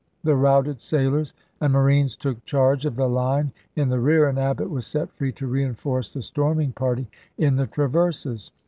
The routed sailors and marines took charge of the line in the rear and Abbott was set free to reenforce the storming party in the traverses.